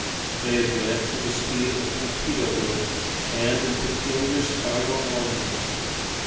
They advance with the speed of a torpedo boat, and in peculiar spiral windings.